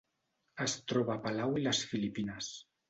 Es troba a Palau i les Filipines.